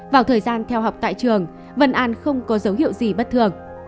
vào thời gian theo học tại trường vân an không có dấu hiệu gì bất thường